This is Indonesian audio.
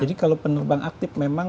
jadi kalau penerbang aktif memang